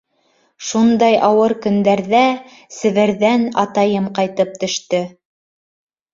Шундай ауыр көндәрҙә Себерҙән атайым ҡайтып төштө.